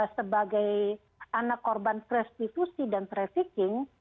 sebagai anak korban prostitusi dan trafficking